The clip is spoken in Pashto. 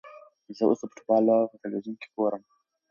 زه اوس د فوټبال لوبه په تلویزیون کې ګورم.